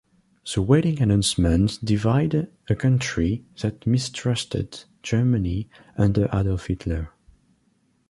The wedding announcement divided a country that mistrusted Germany under Adolf Hitler.